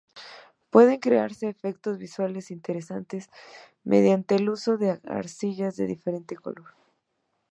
Pueden crearse efectos visuales interesantes mediante el uso de arcillas de diferente color.